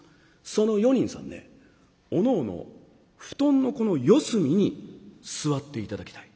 その４人さんねおのおの布団のこの四隅に座って頂きたい。